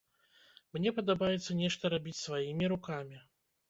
Мне падабаецца нешта рабіць сваімі рукамі.